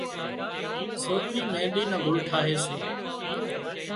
سوڪري مينۮِي نان گُل ٺاهي سي